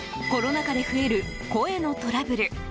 コロナ禍で増える声のトラブル。